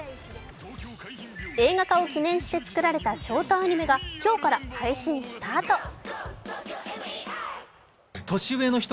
映画化を記念して作られたショートアニメが今日から配信スタート。